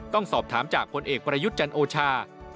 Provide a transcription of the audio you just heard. ต้องสอบถามจากผลเอกประยุทธ์จันโอชา